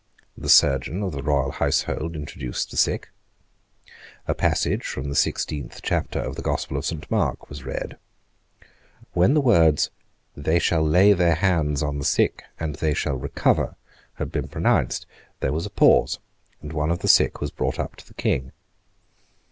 The surgeon of the royal household introduced the sick. A passage from the sixteenth chapter of the Gospel of Saint Mark was read. When the words, "They shall lay their hands on the sick, and they shall recover," had been pronounced, there was a pause, and one of the sick was brought up to the King.